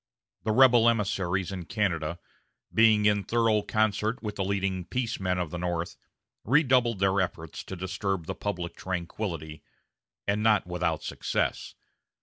The rebel emissaries in Canada, being in thorough concert with the leading peace men of the North, redoubled their efforts to disturb the public tranquility, and not without success.